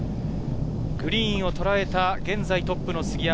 グリーンをとらえた、現在トップの杉山。